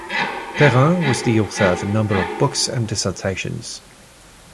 Perrin was the author of a number of books and dissertations.